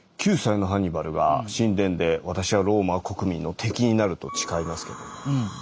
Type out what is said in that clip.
９歳のハンニバルが神殿で「私はローマ国民の敵になる」と誓いますけども。